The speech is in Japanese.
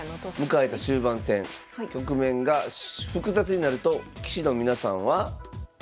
迎えた終盤戦局面が複雑になると棋士の皆さんは。